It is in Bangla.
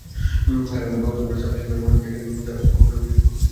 কারখানার ব্যবস্থাপক সাইফুল ইসলামের মুঠোফোনে একাধিকবার ফোন করা হলেও তিনি ফোন ধরেননি।